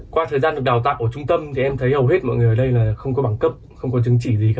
qua thời gian được đào tạo ở trung tâm thì em thấy hầu hết mọi người ở đây là không có bằng cấp không có chứng chỉ gì cả